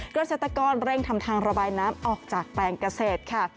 กระเศษตะกอลเร่งทำทางระบายน้ำออกจากแปลงกระเศษ